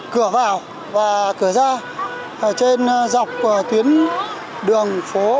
cửa vào và cửa ra trên dọc tuyến đường